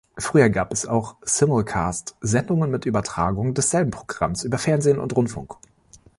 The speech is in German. Früher gab es auch Simulcast-Sendungen mit Übertragung desselben Programmes über Fernsehen und Rundfunk.